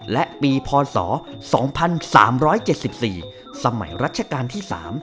และปีพศ๒๓๗๔สมัยรัชกาลที่๓